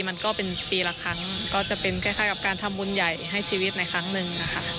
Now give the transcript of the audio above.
มันก็เป็นปีละครั้งก็จะเป็นคล้ายกับการทำบุญใหญ่ให้ชีวิตในครั้งหนึ่งนะคะ